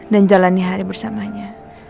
dan jalani hari bersamanya